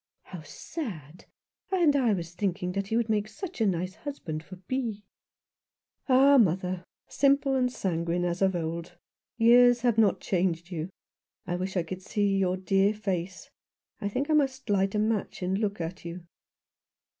" How sad ! And I was thinking that he would make such a nice husband for Bee." "Ah, mother, simple and sanguine as of old. Years have not changed you. I wish I could see your dear face. I think I must light a match and look at you."